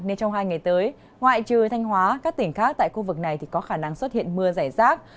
nên trong hai ngày tới ngoại trừ thanh hóa các tỉnh khác tại khu vực này có khả năng xuất hiện mưa rải rác